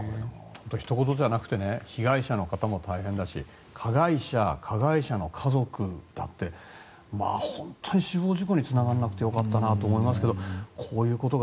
ひと事じゃなくて被害者の方も大変だし加害者、加害者の家族だって本当に死亡事故につながらなくてよかったなと思いますがこういうことが。